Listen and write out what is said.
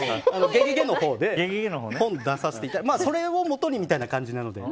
「ゲゲゲ」のほうで本を出させていただいてそれをもとにみたいな感じで。